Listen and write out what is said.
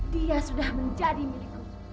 dia sudah menjadi milikku